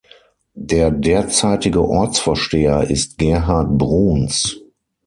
Der derzeitige Ortsvorsteher ist Gerhard Bruns.